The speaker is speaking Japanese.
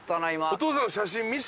お父さんの写真見せて。